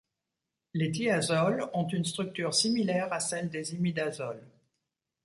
Les thiazoles ont une structure similaire à celle des imidazoles.